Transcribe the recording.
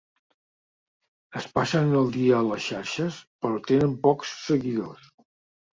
Es passen el dia a les xarxes, però tenen pocs seguidors.